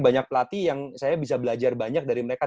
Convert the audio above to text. banyak pelatih yang saya bisa belajar banyak dari mereka